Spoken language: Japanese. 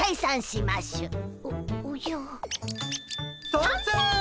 さんせい！